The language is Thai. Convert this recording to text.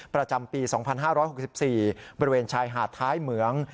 ประจำปี๒๕๖๔บริเวณชายหาดท้ายเหมือง